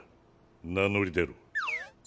名乗り出ろ。